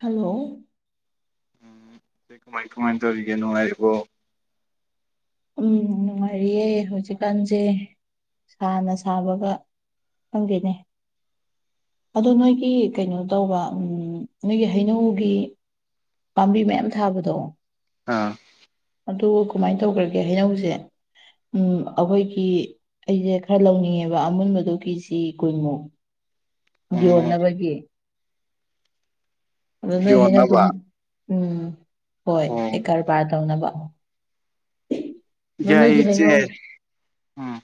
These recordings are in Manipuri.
ꯍꯜꯂꯣ ꯏꯆꯦ ꯀꯃꯥꯏ ꯀꯃꯥꯏꯟ ꯇꯧꯔꯤꯒꯦ ꯅꯨꯡꯉꯥꯏꯔꯤꯕꯣ ꯎꯝ ꯅꯨꯡꯉꯥꯏꯔꯤꯌꯦ ꯍꯧꯖꯤꯛꯀꯥꯟꯖꯦ ꯁꯥꯅ ꯁꯥꯕꯒ ꯈꯪꯗꯦꯅꯦ ꯑꯗꯣ ꯅꯣꯏꯒꯤ ꯀꯩꯅꯣ ꯇꯧꯕ ꯎꯝ ꯅꯣꯏꯒꯤ ꯍꯩꯅꯧꯒꯤ ꯄꯥꯝꯕꯤ ꯃꯌꯥꯝ ꯊꯥꯕꯗꯣ ꯑꯥ ꯑꯗꯨ ꯀꯨꯃꯥꯏ ꯇꯧꯒ꯭ꯔꯒꯦ ꯍꯩꯅꯧꯖꯦ ꯎꯝ ꯑꯈꯣꯏꯒꯤ ꯑꯩꯖꯦ ꯈꯔ ꯂꯧꯅꯤꯡꯉꯦꯕ ꯑꯃꯨꯟꯕꯗꯨ ꯀꯦꯖꯤ ꯀꯨꯟꯃꯨꯛ ꯎꯝ ꯌꯣꯟꯅꯕꯒꯤ ꯑꯗꯨ ꯅꯣꯏ ꯍꯩꯅꯧꯗꯣ ꯌꯣꯟꯅꯕ ꯎꯝ ꯍꯣꯏ ꯑꯣ ꯑꯩ ꯀꯔꯕꯥꯔ ꯇꯧꯅꯕ ꯑꯗꯣ ꯌꯥꯏ ꯅꯣꯏꯒꯤ ꯏꯆꯦ ꯍꯩꯅꯧ ꯎꯝ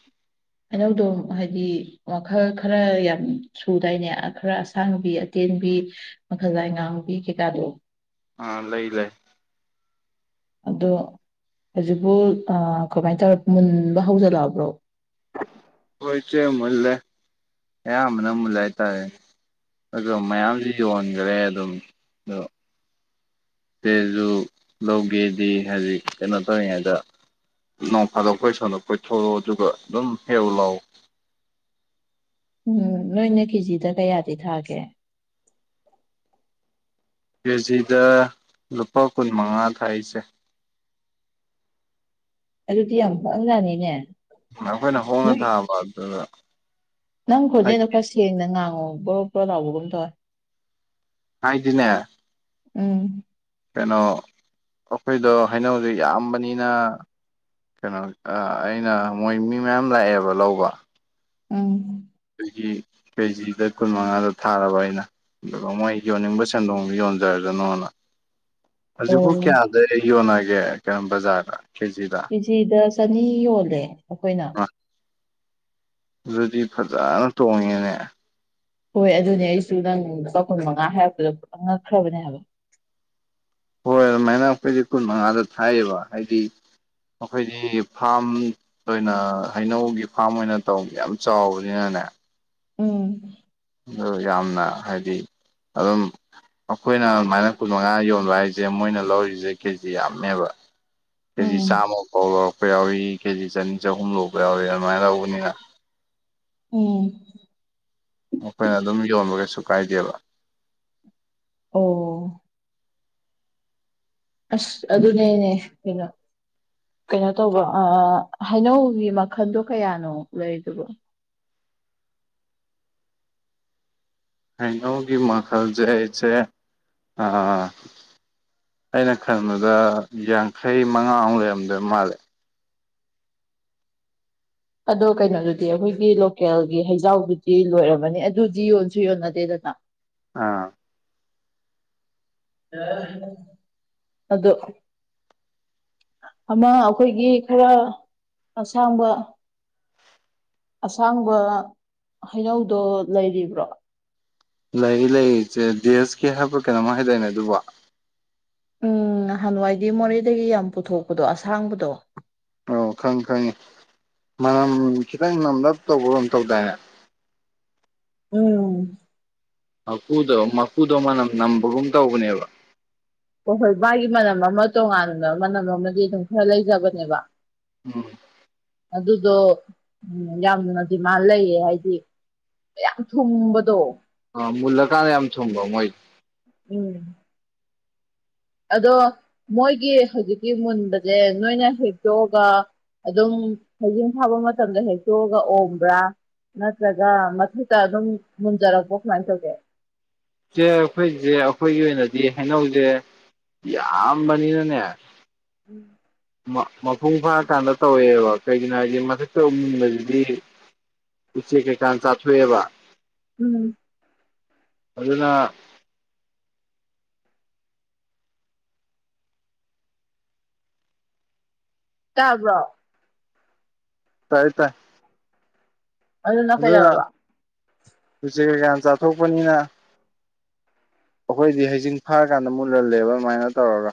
ꯍꯩꯅꯧꯗꯣ ꯍꯥꯏꯗꯤ ꯃꯈꯜ ꯈꯔ ꯌꯥꯝ ꯁꯨꯗꯥꯏꯅꯦ ꯑꯥ ꯈꯔ ꯑꯁꯥꯡꯕꯤ ꯑꯇꯦꯟꯕꯤ ꯃꯈꯥꯖꯥꯏ ꯉꯥꯡꯕꯤ ꯀꯩꯀꯥꯗꯣ ꯑꯥ ꯂꯩ ꯂꯩ ꯑꯗꯣ ꯍꯧꯖꯤꯛꯄꯨ ꯑꯥ ꯀꯃꯥꯏ ꯇꯧꯔꯦ ꯃꯨꯟꯕ ꯍꯧꯖꯜꯂꯛꯑꯕ꯭ꯔꯣ ꯍꯣꯏ ꯏꯆꯦ ꯃꯨꯜꯂꯦ ꯑꯌꯥꯝꯕꯅꯥ ꯃꯨꯜꯂꯦ ꯍꯥꯏꯇꯥꯔꯦꯅꯦ ꯑꯗꯣ ꯃꯌꯥꯝꯖꯨ ꯌꯣꯟꯒ꯭ꯔꯦ ꯑꯗꯨꯝ ꯑꯗꯣ ꯏꯆꯦꯖꯨ ꯂꯧꯒꯦꯗꯤ ꯍꯥꯏꯗꯤ ꯀꯩꯅꯣ ꯇꯧꯔꯤꯉꯩꯗ ꯅꯣꯡ ꯐꯥꯗꯣꯛ ꯑꯈꯣꯏ ꯁꯣꯟꯗ ꯀꯣꯏꯊꯣꯛꯔꯛꯑꯣ ꯑꯗꯨꯒ ꯑꯗꯨꯝ ꯍꯦꯛꯎ ꯂꯥꯎꯋꯣ ꯎꯝ ꯅꯣꯏꯅ ꯀꯦꯖꯤꯗ ꯀꯌꯥꯗꯤ ꯊꯥꯒꯦ ꯀꯦꯖꯤꯗ ꯂꯨꯄꯥ ꯀꯨꯟ ꯃꯉꯥ ꯊꯥꯏ ꯏꯆꯦ ꯑꯗꯨꯗꯤ ꯌꯥꯝ ꯍꯣꯡꯖꯥꯅꯤꯅꯦ ꯑꯥ ꯑꯩꯈꯣꯏꯅ ꯍꯣꯡꯅ ꯅꯣꯏ ꯊꯥꯕ ꯑꯗꯨꯒ ꯅꯪ ꯈꯣꯖꯦꯟꯗꯣ ꯈꯔ ꯁꯦꯡꯅ ꯉꯥꯡꯉꯣ ꯕ꯭ꯔꯣ ꯕ꯭ꯔꯣ ꯂꯥꯎꯕꯒꯨꯝ ꯇꯧꯋꯦ ꯍꯥꯏꯗꯤꯅꯦ ꯎꯝ ꯀꯩꯅꯣ ꯑꯩꯈꯣꯏꯗꯣ ꯍꯩꯅꯧꯖꯦ ꯌꯥꯝꯕꯅꯤꯅ ꯀꯩꯅꯣ ꯑꯥ ꯑꯩꯅ ꯃꯣꯏ ꯃꯤ ꯃꯌꯥꯝ ꯂꯥꯛꯑꯦꯕ ꯂꯧꯕ ꯎꯝ ꯑꯗꯒꯤ ꯀꯦꯖꯤꯗ ꯀꯨꯟ ꯃꯉꯥꯗ ꯊꯥꯔꯕ ꯑꯩꯅ ꯑꯗꯨꯒ ꯃꯣꯏ ꯌꯣꯟꯅꯤꯡꯕ ꯁꯦꯟꯗꯣꯡꯗ ꯌꯣꯟꯖꯔꯖꯅꯣꯅ [inaudible] ꯍꯧꯖꯤꯛꯄꯨ ꯀꯌꯥꯗ ꯌꯣꯟꯅꯒꯦ ꯀꯩꯅꯣ ꯕꯖꯥꯔꯗ ꯀꯦꯖꯤꯗ ꯀꯦꯖꯤꯗ ꯆꯅꯤ ꯌꯣꯜꯂꯦ ꯑꯈꯣꯏꯅ ꯑꯗꯨꯗꯤ ꯐꯥꯖꯅ ꯇꯣꯡꯉꯦꯅꯦ ꯍꯣꯏ ꯑꯗꯨꯅꯦ ꯑꯩꯁꯨ ꯅꯪ ꯂꯨꯄꯥ ꯀꯨꯟ ꯃꯉꯥ ꯍꯥꯏꯔꯛꯄꯗ ꯄꯨꯉꯛ ꯉꯛꯈ꯭ꯔꯕꯅꯦ ꯍꯥꯏꯕ ꯍꯣꯏ ꯑꯗꯨꯃꯥꯏꯅ ꯑꯩꯈꯣꯏꯗꯤ ꯀꯨꯟ ꯃꯉꯥꯗ ꯊꯥꯏꯌꯦꯕ ꯍꯥꯏꯗꯤ ꯑꯩꯈꯣꯏꯗꯤ ꯐꯥ꯭ꯔꯝ ꯈꯣꯏꯅ ꯍꯩꯅꯧꯒꯤ ꯐꯥ꯭ꯔꯝ ꯑꯣꯏꯅ ꯇꯧ ꯌꯥꯝ ꯆꯥꯎꯕꯅꯤꯅꯅꯦ ꯎꯝ ꯑꯗꯣ ꯌꯥꯝꯅ ꯍꯥꯏꯗꯤ ꯑꯗꯨꯝ ꯑꯩꯈꯣꯏꯅ ꯑꯗꯨꯃꯥꯏꯅ ꯀꯨꯟ ꯃꯉꯥ ꯌꯣꯟꯕ ꯍꯥꯏꯖꯦ ꯃꯣꯏꯅ ꯂꯧꯔꯤꯖꯦ ꯀꯦꯖꯤ ꯌꯥꯝꯃꯦꯕ ꯀꯦꯖꯤ ꯎꯝ ꯆꯥꯝꯃ ꯐꯥꯎ ꯂꯧꯔꯛꯄ ꯌꯥꯎꯋꯤ ꯀꯦꯖꯤ ꯆꯅꯤ ꯆꯍꯨꯝ ꯂꯧꯕ ꯌꯥꯎꯔꯑꯦ ꯎꯝ ꯑꯈꯣꯏꯅ ꯑꯗꯨꯝ ꯌꯣꯟꯕ ꯀꯩꯁꯨ ꯀꯥꯏꯗꯦꯕ ꯑꯣ ꯑꯁ ꯑꯗꯨꯅꯦꯅꯦ ꯀꯩꯅꯣ ꯀꯩꯅꯣ ꯇꯧꯕ ꯑꯥ ꯍꯩꯅꯧꯒꯤ ꯃꯈꯟꯗꯣ ꯀꯌꯥꯅꯣ ꯂꯩꯗꯨꯕꯣ ꯍꯩꯅꯧꯒꯤ ꯃꯈꯜꯖꯦ ꯏꯆꯦ ꯑꯥ ꯑꯩꯅ ꯈꯟꯕꯗ ꯌꯥꯡꯈꯩ ꯃꯉꯥꯃꯨꯛ ꯂꯩꯔꯝꯗꯣꯏ ꯃꯥꯜꯂꯦ ꯑꯗꯣ ꯀꯩꯅꯣꯗꯨꯗꯤ ꯑꯩꯈꯣꯏꯒꯤ ꯂꯣꯀꯦꯜꯒꯤ ꯍꯩꯖꯥꯎꯗꯨꯗꯤ ꯂꯣꯏꯔꯝꯃꯅꯤ ꯑꯗꯨꯗꯤ ꯌꯣꯟꯁꯨ ꯌꯣꯟꯅꯗꯦ ꯗꯅꯥ ꯑꯥ ꯑꯗꯣ ꯑꯃ ꯑꯈꯣꯏꯒꯤ ꯈꯔ ꯑꯁꯥꯡꯕ ꯑꯁꯥꯡꯕ ꯍꯩꯅꯧꯗꯣ ꯂꯩꯔꯤꯕ꯭ꯔꯣ ꯂꯩꯔꯤ ꯂꯩꯔꯤ ꯏꯆꯦ ꯗꯦꯁꯀꯤ ꯍꯥꯏꯕ꯭ꯔ ꯀꯩꯅꯣꯃ ꯍꯥꯏꯗꯏꯅꯦ ꯑꯗꯨꯕꯣ ꯎꯝ ꯍꯥꯟꯋꯥꯏꯗꯤ ꯃꯣꯔꯦꯗꯒꯤ ꯌꯥꯝ ꯄꯨꯊꯣꯛꯄꯗꯣ ꯑꯁꯥꯡꯕꯗꯣ ꯑꯧ ꯈꯪꯉꯤ ꯈꯪꯉꯤ ꯃꯅꯝ ꯈꯤꯇꯪ ꯅꯝꯂꯞ ꯇꯧꯕ꯭ꯔꯣ ꯇꯧꯗꯥꯏꯅꯦ ꯎꯝ ꯃꯀꯨꯗꯣ ꯃꯀꯨꯗꯣ ꯃꯅꯝ ꯅꯝꯕꯒꯨꯝ ꯇꯧꯕꯅꯦꯕ ꯑꯣ ꯍꯣꯏ ꯃꯥꯒꯤ ꯃꯅꯝ ꯑꯃ ꯇꯣꯉꯥꯟꯕ ꯃꯅꯝ ꯑꯃꯗꯤ ꯑꯗꯨꯝ ꯈꯔ ꯂꯩꯖꯕꯅꯦꯕ ꯎꯝ ꯑꯗꯨꯗꯣ ꯌꯥꯝꯅ ꯗꯤꯃꯥꯟ ꯂꯩꯌꯦ ꯍꯥꯏꯗꯤ ꯌꯥꯝ ꯊꯨꯝꯕꯗꯣ ꯑ ꯃꯨꯜꯂꯀꯥꯟꯗ ꯌꯥꯝ ꯊꯨꯝꯕ ꯃꯣꯏ ꯎꯝ ꯑꯗꯣ ꯃꯣꯏꯒꯤ ꯍꯨꯖꯤꯛꯀꯤ ꯃꯨꯟꯕꯖꯦ ꯅꯣꯏꯅ ꯍꯦꯛꯇꯣꯛꯑꯒ ꯑꯗꯨꯝ ꯍꯩꯖꯤꯡ ꯐꯥꯕ ꯃꯇꯝꯗ ꯍꯦꯛꯇꯣꯛꯑꯒ ꯑꯣꯝꯕ꯭ꯔꯥ ꯅꯠꯇ꯭ꯔꯒ ꯃꯊꯛꯇ ꯑꯗꯨꯝ ꯃꯨꯟꯖꯔꯛꯄꯣ ꯀꯃꯥꯏꯅ ꯇꯧꯒꯦ ꯆꯦ ꯑꯈꯣꯏꯁꯦ ꯑꯈꯣꯏꯒꯤ ꯑꯣꯏꯅꯗꯤ ꯍꯩꯅꯧꯁꯦ ꯌꯥꯝꯕꯅꯤꯅꯅꯦ [unintelligible] ꯃ-ꯃꯄꯨꯡ ꯐꯥꯔꯀꯥꯟꯗ ꯇꯧꯋꯦꯕ ꯀꯩꯒꯤꯅꯣ ꯍꯥꯏꯗꯤ ꯃꯊꯛꯇ ꯃꯨꯟꯕꯖꯤꯗꯤ ꯎꯆꯦꯛ ꯀꯩꯀꯥꯅ ꯆꯥꯊꯣꯛꯑꯦꯕ ꯎꯝ ꯑꯗꯨꯅ ꯇꯥꯕ꯭ꯔꯣ ꯇꯥꯏꯑꯦ ꯇꯥꯏ ꯑꯗꯨꯅ ꯎꯆꯦ ꯀꯩꯀꯥꯅ ꯆꯥꯊꯣꯛꯄꯅꯤꯅ ꯑꯈꯣꯏꯗꯤ ꯍꯩꯖꯤꯡ ꯐꯥꯔꯀꯥꯟꯗ ꯃꯨꯜꯍꯜꯂꯦꯕ ꯑꯗꯨꯃꯥꯏꯅ ꯇꯧꯔꯒ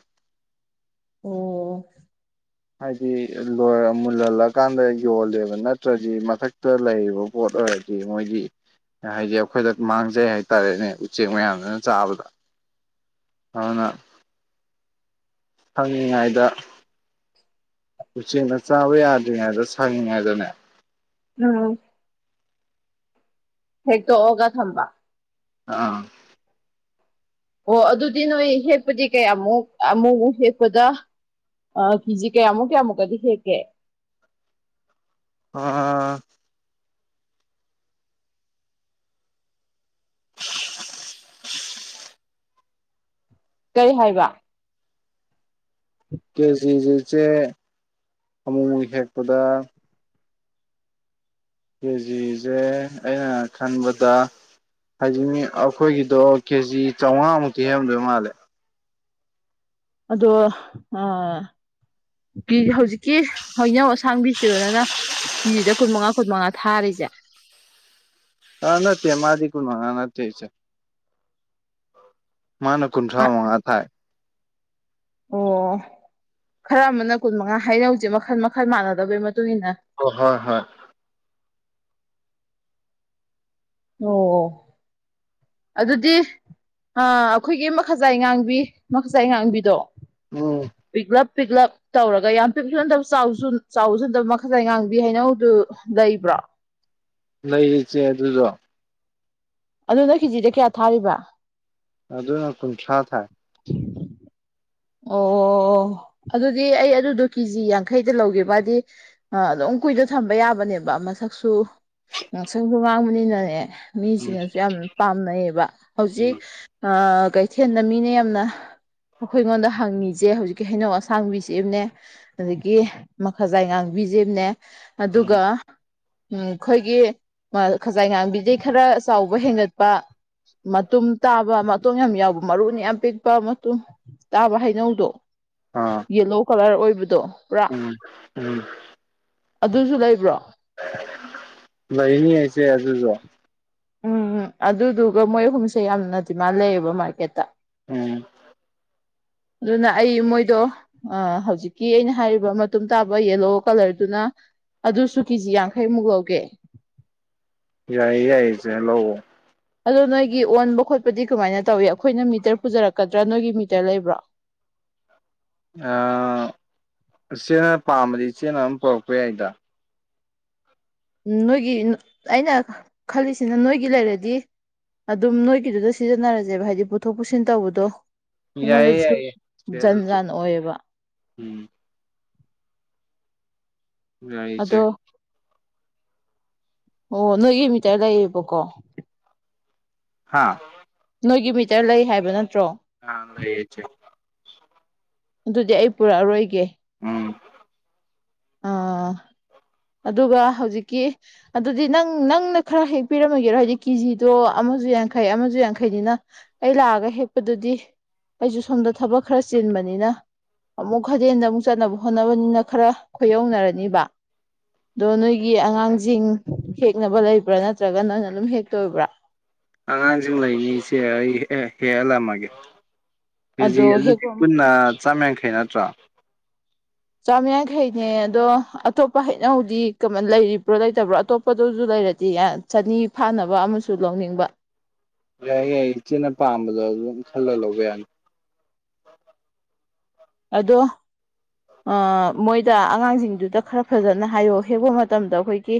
ꯑꯣ ꯍꯥꯏꯗꯤ ꯂꯣꯏꯔ ꯃꯨꯜꯍꯜꯂꯀꯥꯟꯗ ꯌꯣꯜꯂꯦꯕ ꯅꯠꯇ꯭ꯔꯗꯤ ꯃꯊꯛꯇ ꯂꯩꯔꯤꯕ ꯄꯣꯠ ꯑꯣꯏꯔꯗꯤ ꯃꯣꯏꯒꯤ ꯍꯥꯏꯗꯤ ꯑꯩꯈꯣꯏꯗ ꯃꯥꯡꯖꯩ ꯍꯥꯏꯇꯥꯔꯦꯅꯦ ꯎꯆꯦꯛ ꯃꯌꯥꯝꯗꯨꯅ ꯆꯥꯕꯗ ꯑꯗꯨꯅ ꯁꯪꯉꯤꯉꯩꯗ ꯎꯆꯦꯛꯅ ꯆꯥꯕ ꯌꯥꯗ꯭ꯔꯤꯉꯩꯗ ꯁꯪꯉꯤꯉꯩꯗꯅꯦ ꯅꯥ ꯍꯦꯛꯇꯣꯛꯑꯒ ꯊꯝꯕ ꯑꯥ ꯑꯣ ꯑꯗꯨꯗꯤ ꯅꯣꯏ ꯍꯦꯛꯄꯗꯤ ꯀꯌꯥꯃꯨꯛ ꯑꯃꯨꯛ ꯃꯨꯛ ꯍꯦꯛꯄꯗ ꯑ ꯀꯤꯖꯤ ꯀꯌꯥꯃꯨꯛ ꯀꯌꯥꯃꯨꯛꯀꯗꯤ ꯍꯦꯛꯀꯦ ꯑꯥ ꯀꯩ ꯍꯥꯏꯕ ꯀꯦꯖꯤꯁꯤꯆꯦ ꯑꯃꯨ ꯃꯨꯛ ꯍꯦꯛꯄꯗ ꯀꯦꯖꯤꯁꯦ ꯑꯩꯅ ꯈꯟꯕꯗ ꯍꯧꯖꯤꯛ ꯃꯤ ꯑꯈꯣꯏꯒꯤꯗꯣ ꯀꯦꯖꯤ ꯆꯧꯉꯥꯃꯨꯛꯇꯤ ꯍꯦꯛꯑꯝꯗꯣꯏ ꯃꯥꯜꯂꯦ ꯑꯗꯣ ꯑ ꯀꯤ ꯍꯧꯖꯤꯛꯀꯤ ꯍꯩꯅꯧ ꯁꯥꯡꯕꯤꯁꯤꯔꯣ ꯅꯪꯅ ꯀꯤꯖꯤꯗ ꯀꯨꯟ ꯃꯉꯥ ꯀꯨꯟ ꯃꯉꯥ ꯊꯥꯔꯤꯁꯦ ꯑ ꯅꯠꯇꯦ ꯃꯥꯗꯤ ꯀꯨꯟ ꯃꯉꯥ ꯅꯠꯇꯦ ꯏꯆꯦ ꯃꯥꯅ ꯀꯨꯟꯊ꯭ꯔꯥ ꯃꯉꯥ ꯊꯥꯏ ꯑꯣ ꯈꯔ ꯑꯃꯅ ꯀꯨꯟ ꯃꯉꯥ ꯍꯥꯏꯅꯧꯁꯦ ꯃꯈꯜ ꯃꯈꯜ ꯃꯥꯟꯅꯗꯕꯩ ꯃꯇꯨꯡ ꯏꯟꯅ ꯑꯣ ꯍꯣꯏ ꯍꯣꯏ ꯑꯣ ꯑꯣ ꯑꯗꯨꯗꯤ ꯑꯥ ꯑꯩꯈꯣꯏꯒꯤ ꯃꯈꯖꯥꯏ ꯉꯥꯡꯕꯤ ꯃꯈꯖꯥꯏ ꯉꯥꯡꯕꯤꯗꯣ ꯎꯝ ꯄꯤꯛꯂꯞ ꯄꯤꯛꯂꯞ ꯇꯧꯔꯒ ꯌꯥꯝ ꯄꯤꯛꯄꯁꯨ ꯅꯠꯗꯕ ꯆꯥꯎꯁꯨ ꯆꯥꯎꯕꯁꯨ ꯅꯠꯗꯕ ꯃꯈꯖꯥꯏ ꯉꯥꯡꯕꯤ ꯍꯩꯅꯧꯗꯨ ꯂꯩꯕ꯭ꯔꯣ ꯂꯩꯔꯤꯖꯦ ꯑꯗꯨꯁꯨ ꯑꯗꯨꯗ ꯀꯦꯖꯤꯗ ꯀꯌꯥ ꯊꯥꯔꯤꯕ ꯑꯗꯨꯅ ꯀꯨꯟꯊ꯭ꯔꯥ ꯊꯥꯏ ꯑꯣ ꯑꯣ ꯑꯗꯨꯗꯤ ꯑꯩ ꯑꯗꯨꯗꯣ ꯀꯦꯖꯤ ꯌꯥꯡꯈꯩꯗ ꯂꯧꯒꯦꯕ ꯍꯥꯗꯤ ꯑꯥ ꯑꯗꯨꯝ ꯀꯨꯏꯗ ꯊꯝꯕ ꯌꯥꯕꯅꯦꯕ ꯃꯁꯛꯁꯨ ꯉꯛꯁꯪꯖꯨ ꯉꯥꯡꯕꯅꯤꯅꯅꯦ ꯎꯝ ꯃꯤꯁꯤꯡꯅꯖꯨ ꯌꯥꯝ ꯄꯥꯝꯅꯩꯌꯦꯕ ꯍꯧꯖꯤꯛ ꯎꯝ ꯑꯥ ꯀꯩꯊꯦꯜꯗ ꯃꯤꯅ ꯌꯥꯝꯅ ꯑꯩꯉꯣꯟꯗ ꯍꯪꯉꯤꯖꯦ ꯍꯧꯖꯤꯛꯀꯤ ꯍꯩꯅꯧ ꯑꯁꯥꯡꯕꯤꯁꯤ ꯑꯝꯅꯦ ꯍꯧꯖꯤꯛꯀꯤ ꯃꯈꯖꯥꯏ ꯉꯥꯡꯕꯤꯖꯤ ꯑꯝꯅꯦ ꯑꯗꯨꯒ ꯎꯝ ꯎꯝ ꯈꯣꯏꯒꯤ ꯃꯥꯈꯖꯥꯏ ꯉꯥꯡꯕꯤꯗꯩ ꯈꯔ ꯆꯥꯎꯕ ꯍꯦꯟꯒꯠꯄ ꯃꯇꯨꯝ ꯇꯥꯕ ꯃꯇꯣꯡ ꯌꯥꯝ ꯌꯥꯎꯕ ꯃꯔꯨꯅ ꯌꯥꯝ ꯄꯤꯛꯄ ꯃꯇꯨꯝ ꯇꯥꯕ ꯍꯩꯅꯧꯗꯣ ꯑꯥ ꯌꯦꯂꯣ ꯀꯂꯔ ꯑꯣꯏꯕꯗꯣ ꯄꯨꯔꯥ ꯎꯝ ꯎꯝ ꯑꯗꯨꯖꯨ ꯂꯩꯕ꯭ꯔꯣ ꯂꯩꯅꯤ ꯏꯆꯦ ꯑꯗꯨꯖꯣ ꯎꯝ ꯎꯝ ꯑꯗꯨꯗꯨꯒ ꯃꯣꯏ ꯑꯍꯨꯝꯁꯦ ꯌꯥꯝꯅ ꯗꯤꯃꯥꯟ ꯂꯩꯌꯦꯕ ꯃꯥꯔꯀꯦꯠꯇ ꯎꯝ ꯑꯗꯨꯅ ꯑꯩ ꯃꯣꯏꯗꯣ ꯑꯥ ꯍꯧꯖꯤꯛꯀꯤ ꯑꯩꯅ ꯍꯥꯏꯔꯤꯕ ꯃꯇꯨꯡ ꯇꯥꯕ ꯌꯦꯂꯣ ꯀꯂꯔꯗꯨꯅ ꯑꯗꯨꯁꯨ ꯀꯦꯖꯤ ꯌꯥꯡꯈꯩꯃꯨꯛ ꯂꯧꯒꯦ ꯌꯥꯏꯌꯦ ꯌꯥꯏꯌꯦ ꯏꯆꯦ ꯂꯧꯑꯣ ꯑꯗꯣ ꯅꯣꯏꯒꯤ ꯑꯣꯟꯕ ꯈꯣꯠꯄꯗꯤ ꯀꯃꯥꯏꯅ ꯇꯧꯋꯤ ꯑꯩꯈꯣꯏꯅ ꯃꯤꯇꯔ ꯄꯨꯖꯔꯛꯀꯗ꯭ꯔꯥ ꯅꯣꯏꯒꯤ ꯃꯤꯇꯔ ꯂꯩꯕ꯭ꯔꯣ ꯑꯥ ꯏꯆꯦꯅ ꯄꯥꯝꯃꯗꯤ ꯏꯆꯦꯅ ꯑꯝ ꯄꯣꯔꯛꯄ ꯌꯥꯏꯗ ꯅꯣꯏꯒꯤ ꯅꯣ ꯑꯩꯅ ꯈꯜꯂꯤꯁꯤꯅ ꯅꯣꯏꯒꯤ ꯂꯩꯔꯗꯤ ꯑꯗꯨꯝ ꯅꯣꯏꯒꯤꯗꯨꯗ ꯁꯤꯖꯤꯟꯅꯔꯖꯦꯕ ꯍꯥꯏꯗꯤ ꯄꯨꯊꯣꯛ ꯄꯨꯁꯤꯟ ꯇꯧꯕꯗꯣ ꯌꯥꯏꯌꯦ ꯑꯩꯉꯣꯟꯗꯁꯨ ꯌꯥꯏꯌꯦ ꯏꯆꯦ ꯖꯟ ꯑꯗꯨꯁꯨ ꯖꯥꯟ ꯑꯣꯏꯌꯦꯕ ꯎꯝ ꯌꯥꯏ ꯏꯆꯦ ꯑꯗꯣ ꯑꯣ ꯅꯣꯏꯒꯤ ꯃꯤꯇꯔ ꯂꯩꯌꯦꯕꯀꯣ ꯍꯥꯥ ꯅꯣꯏꯒꯤ ꯃꯤꯇꯔ ꯂꯩ ꯍꯥꯏꯕ ꯅꯠꯇ꯭ꯔꯣ ꯑꯥꯡ ꯂꯩꯌꯦ ꯏꯆꯦ ꯑꯗꯨꯗꯤ ꯑꯩ ꯄꯨꯔꯛꯑꯔꯣꯏꯒꯦ ꯎꯝ ꯑꯥ ꯑꯗꯨꯒ ꯍꯧꯖꯤꯛꯀꯤ ꯑꯗꯨꯗꯤ ꯅꯪ ꯅꯪꯅ ꯈꯔ ꯍꯦꯛꯄꯤꯔꯝꯃꯒꯦꯔꯣ ꯍꯥꯏꯗꯤ ꯀꯦꯖꯤꯗꯣ ꯑꯃꯥꯖꯨ ꯌꯥꯡꯈꯩ ꯑꯃꯥꯖꯨ ꯌꯥꯡꯈꯩꯅꯤꯅ ꯑꯩ ꯂꯥꯛꯑꯒ ꯍꯦꯛꯄꯗꯨꯗꯤ ꯑꯩꯖꯨ ꯁꯣꯝꯗ ꯊꯕꯛ ꯈꯔ ꯆꯤꯟꯕꯅꯤꯅ ꯑꯃꯨꯛ ꯈꯗꯦꯟꯗ ꯑꯃꯨꯛ ꯆꯠꯅꯕ ꯍꯣꯠꯅꯕꯅꯤꯅ ꯈꯔ ꯈꯣꯏꯌꯧꯅꯔꯅꯤꯕ ꯗꯣ ꯅꯣꯏꯒꯤ ꯑꯉꯥꯡꯖꯤꯡ ꯍꯦꯛꯅꯕ ꯂꯩꯕ꯭ꯔꯥ ꯅꯠꯇ꯭ꯔꯒ ꯅꯪꯅ ꯗꯨꯝ ꯍꯦꯛꯇꯣꯏꯕ꯭ꯔꯥ ꯑꯉꯥꯡꯖꯤꯡ ꯂꯩꯅꯤ ꯏꯆꯦ ꯑꯩ ꯑꯦ ꯍꯦꯍꯜꯂꯝꯃꯒꯦ ꯀꯦꯖꯤ ꯑꯗꯣ ꯑꯗꯨꯗꯤ ꯍꯦꯛꯄ ꯄꯨꯟꯅ ꯆꯥꯝ ꯌꯥꯡꯈꯩ ꯅꯠꯇ꯭ꯔꯣ ꯆꯥꯝ ꯌꯥꯡꯈꯩꯅꯦ ꯑꯗꯣ ꯑꯇꯣꯞꯄ ꯍꯩꯅꯧꯗꯤ ꯀꯃꯟ ꯂꯩꯔꯤꯕ꯭ꯔꯣ ꯂꯩꯇꯕ꯭ꯔꯣ ꯑꯇꯣꯞ ꯄꯗꯨꯖꯨ ꯂꯩꯔꯗꯤ ꯑꯦ ꯆꯅꯤ ꯐꯥꯅꯕ ꯑꯃꯥꯁꯨ ꯂꯧꯅꯤꯡꯕ ꯌꯥꯏ ꯌꯥꯏ ꯏꯆꯦꯅ ꯄꯥꯝꯕꯗꯣ ꯑꯗꯣꯗꯨꯝ ꯈꯜꯂ ꯂꯧꯕ ꯌꯥꯅꯤ ꯑꯗꯣ ꯑꯥ ꯃꯣꯏꯗ ꯑꯉꯥꯡꯖꯤꯡꯗꯨꯗ ꯈꯔ ꯐꯖꯅ ꯍꯥꯏꯌꯣ ꯍꯦꯛꯄ ꯃꯇꯝꯗ ꯑꯩꯈꯣꯏꯒꯤ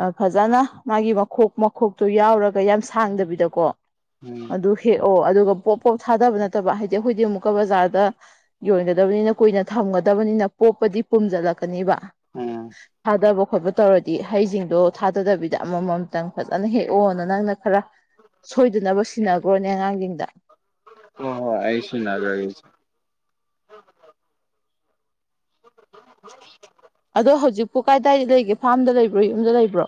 ꯑꯥ ꯐꯖꯅ ꯃꯥꯒꯤ ꯃꯈꯣꯛ ꯃꯈꯣꯛꯇꯣ ꯌꯥꯎꯔꯒ ꯌꯥꯝ ꯁꯥꯡꯗꯕꯤꯗꯀꯣ ꯎꯝ ꯑꯗꯨ ꯍꯦꯛꯑꯣ ꯑꯗꯨꯒ ꯄꯣꯞ ꯄꯣꯞ ꯊꯥꯗꯕ ꯅꯠꯇꯕ ꯍꯥꯏꯗꯤ ꯑꯩꯈꯣꯏꯗꯤ ꯑꯃꯨꯛꯀ ꯕꯖꯥꯔꯗ ꯌꯣꯟꯒꯗꯕꯅꯤꯅ ꯀꯨꯏꯅ ꯊꯝꯒꯗꯕꯅꯤꯅ ꯄꯣꯞꯄꯗꯤ ꯄꯨꯝꯖꯜꯂꯛ ꯀꯅꯤꯕ ꯎꯝ ꯊꯥꯗꯕ ꯈꯣꯠꯄ ꯇꯧꯔꯗꯤ ꯍꯩꯖꯤꯡꯗꯣ ꯊꯥꯗꯗꯕꯤꯗ ꯑꯃꯃꯝꯇꯪ ꯐꯖꯅ ꯍꯦꯛꯑꯣꯅ ꯅꯪꯅ ꯈꯔ ꯁꯣꯏꯗꯅꯕ ꯁꯤꯟꯅꯒ꯭ꯔꯣꯅꯦ ꯑꯉꯥꯡꯖꯤꯡꯗ ꯍꯣ ꯍꯣꯢ ꯑꯩ ꯁꯤꯟꯅꯒ꯭ꯔꯒꯦ ꯏꯆꯦ [inaudible] ꯑꯗꯣ ꯍꯧꯖꯤꯛꯄꯨ ꯀꯥꯏꯗꯥꯏ ꯂꯩꯒꯦ ꯐꯥ꯭ꯔꯝꯗ ꯂꯩꯕ꯭ꯔꯣ ꯌꯨꯝꯗ ꯂꯩꯕ꯭ꯔꯣ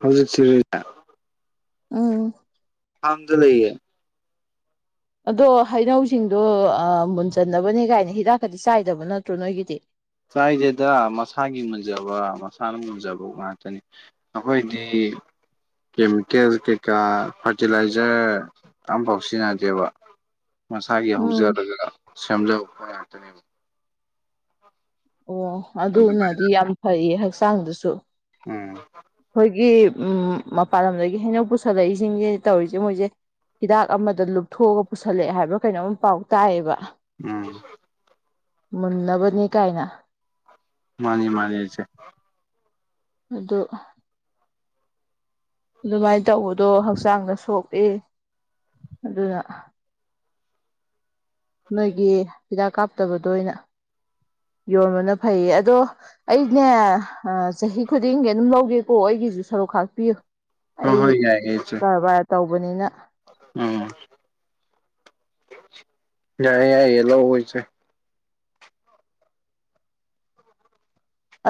ꯍꯧꯖꯤꯛꯁꯤ [unintelligible] ꯎꯝ ꯐꯥꯝꯗ ꯂꯩꯌꯦ ꯑꯗꯣ ꯍꯩꯅꯧꯁꯤꯡꯗꯣ ꯑꯥ ꯃꯨꯟꯖꯟꯅꯕꯅꯦ ꯀꯥꯏꯅ ꯍꯤꯗꯥꯛꯀꯗꯤ ꯆꯥꯏꯗꯕ ꯅꯠꯇ꯭ꯔꯣ ꯅꯣꯏꯒꯤꯗꯤ ꯆꯥꯏꯗꯦꯗ ꯃꯁꯥꯒꯤ ꯃꯨꯟꯖꯕ ꯃꯁꯥꯅ ꯃꯨꯟꯖꯕ ꯉꯥꯛꯇꯅꯤ ꯑꯩꯈꯣꯏꯗꯤ ꯀꯦꯃꯤꯀꯦꯜ ꯀꯩꯀꯥ ꯐꯔꯇꯤꯂꯥꯏꯖꯔ ꯑꯝꯕꯥꯎ ꯁꯤꯖꯤꯟꯅꯗꯦꯕ ꯃꯁꯥꯒꯤ ꯎꯝ ꯍꯧꯖꯕꯒ ꯁꯦꯝꯖꯕ ꯄꯣꯠ ꯉꯥꯛꯇꯅꯦꯕ ꯑꯣ ꯑꯗꯨꯅꯗꯤ ꯌꯥꯝ ꯐꯩꯌꯦ ꯍꯛꯆꯥꯡꯗꯁꯨ ꯎꯝ ꯈꯣꯏꯒꯤ ꯎꯝ ꯃꯄꯥꯟ ꯂꯝꯗꯒꯤ ꯍꯩꯅꯧ ꯄꯨꯁꯜꯂꯛꯏꯁꯤꯡꯁꯦ ꯇꯧꯔꯤꯁꯦ ꯃꯣꯏꯁꯦ ꯍꯤꯗꯥꯛ ꯑꯃꯗꯣ ꯂꯨꯞꯊꯣꯛꯒ ꯄꯨꯁꯜꯂꯛꯑꯦ ꯍꯥꯏꯕ꯭ꯔꯥ ꯀꯩꯅꯣꯝ ꯄꯥꯎ ꯇꯥꯏꯌꯦꯕ ꯎꯝ ꯃꯨꯟꯅꯕꯅꯤ ꯀꯥꯏꯅ ꯃꯥꯅꯤ ꯃꯥꯅꯤ ꯢꯆꯦ ꯑꯗꯣ ꯑꯗꯨꯃꯥꯏ ꯇꯧꯕꯗꯣ ꯍꯛꯆꯥꯡꯗ ꯁꯣꯛꯢ ꯑꯗꯨꯅ ꯅꯣꯏꯒꯤ ꯍꯤꯗꯥꯛ ꯀꯥꯞꯇꯕꯗꯣ ꯑꯣꯏꯅ ꯌꯣꯟꯕꯅ ꯐꯩꯌꯦ ꯑꯗꯣ ꯑꯩꯅꯦ ꯑꯥ ꯆꯍꯤ ꯈꯨꯗꯤꯡꯒꯤ ꯑꯗꯨꯝ ꯂꯧꯒꯦꯀꯣ ꯑꯩꯒꯤꯁꯨ ꯁꯔꯨꯛ ꯈꯥꯛꯄꯤꯌꯨ ꯍꯣꯏ ꯑꯩ ꯍꯣꯏ ꯌꯥꯏꯌꯦ ꯏꯆꯦ ꯀꯔꯕꯥꯔ ꯇꯧꯕꯅꯤꯅ ꯎꯝ ꯌꯥꯏꯌꯦ ꯌꯥꯏꯌꯦ ꯂꯧꯋꯣ ꯏꯆꯦ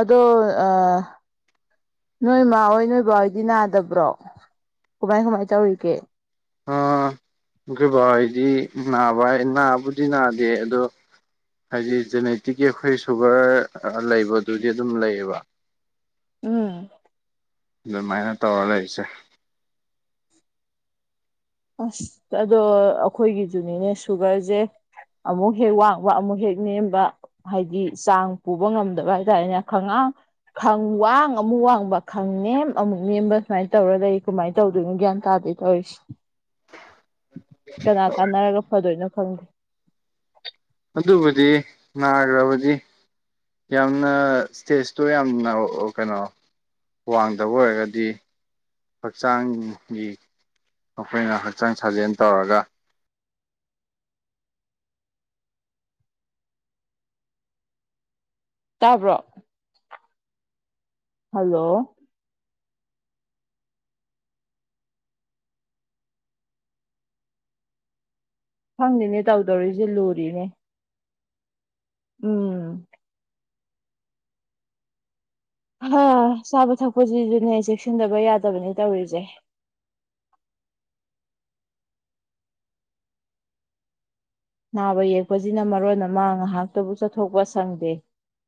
ꯑꯗꯣ ꯑꯥ ꯅꯣꯏꯃꯥ ꯍꯣꯏ ꯅꯣꯏꯕꯥ ꯍꯣꯏꯗꯤ ꯅꯥꯗꯕ꯭ꯔꯣ ꯀꯃꯥꯏ ꯀꯃꯥꯏ ꯇꯧꯔꯤꯒꯦ ꯑꯥ ꯑꯩꯈꯣꯏ ꯕꯥ ꯍꯣꯏꯗꯤ ꯅꯥꯕ ꯍꯥꯏ ꯅꯥꯕꯨꯗꯤ ꯅꯥꯗꯦ ꯑꯗꯣ ꯍꯥꯏꯗꯤ ꯖꯦꯅꯦꯇꯤꯛꯀꯤ ꯑꯩꯈꯣꯏ ꯁꯨꯒꯔ ꯑꯥ ꯂꯩꯕꯗꯨꯗꯤ ꯑꯗꯨꯝ ꯂꯩꯌꯦꯕ ꯎꯨꯝ ꯅꯨꯃꯥꯏꯅ ꯇꯧꯔ ꯂꯩꯔꯤ ꯏꯆꯦ ꯑꯁ ꯑꯗꯣ ꯑꯩꯈꯣꯏꯒꯤꯖꯨꯅꯤꯅꯦ ꯁꯨꯒꯔꯖꯦ ꯑꯃꯨꯛ ꯍꯦꯛ ꯋꯥꯡꯕ ꯑꯃꯨꯛ ꯍꯦꯛ ꯅꯦꯝꯕ ꯍꯥꯏꯗꯤ ꯆꯥꯡ ꯄꯨꯕ ꯉꯝꯗꯕ ꯍꯥꯏꯇꯥꯔꯦꯅꯦ ꯈꯉꯥꯡ ꯈꯪꯋꯥꯡ ꯑꯃꯨꯛ ꯋꯥꯡꯕ ꯈꯪꯅꯦꯝ ꯑꯃꯨꯛ ꯅꯦꯝꯕ ꯁꯨꯃꯥꯏꯅ ꯇꯧꯔ ꯂꯩ ꯀꯃꯥꯏꯅ ꯇꯧꯗꯣꯏꯅꯣ ꯒ꯭ꯌꯥꯟ ꯇꯥꯗꯦ ꯇꯧꯔꯤꯁꯦ ꯀꯅꯥ ꯇꯥꯟꯅꯔꯒ ꯐꯗꯣꯏꯅꯣ ꯈꯪꯗꯦ ꯑꯗꯨꯕꯨꯗꯤ ꯅꯥꯒ꯭ꯔꯕꯗꯤ ꯌꯥꯝꯅ ꯁ꯭ꯇꯦꯖꯇꯣ ꯌꯥꯝꯅ ꯑꯧ ꯀꯩꯅꯣ ꯋꯥꯡꯗꯕ ꯑꯣꯏꯔꯒꯗꯤ ꯍꯛꯆꯥꯡꯒꯤ ꯑꯈꯣꯏꯅ ꯍꯛꯆꯥꯡ ꯁꯥꯖꯦꯟ ꯇꯧꯔꯒ ꯇꯥꯕ꯭ꯔꯣ ꯍꯜꯂꯣ ꯈꯪꯗꯦꯅꯦ ꯇꯧꯗꯧꯔꯤꯁꯦ ꯂꯨꯔꯤꯅꯦ ꯎꯨꯝ ꯍꯥ ꯆꯥꯕ ꯊꯛꯄꯖꯤꯖꯨꯅꯦ ꯆꯦꯛꯁꯤꯟꯗꯕ ꯌꯥꯗꯕꯅꯦ ꯇꯧꯔꯤꯖꯦ ꯅꯥꯕ ꯌꯦꯛꯄꯁꯤꯅ ꯃꯔꯣꯟ ꯑꯃ ꯉꯍꯥꯛꯇꯕꯨ ꯆꯠꯊꯣꯛꯄ ꯁꯪꯗꯦ